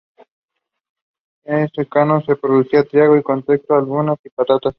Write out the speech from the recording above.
En secano se producía trigo y centeno, alubias y patatas.